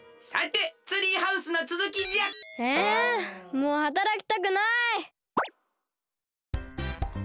もうはたらきたくない！